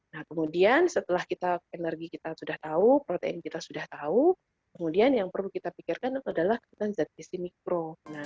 nah kemudian setelah energi kita sudah tahu protein kita sudah tahu kemudian yang perlu kita pikirkan adalah zat isi mikro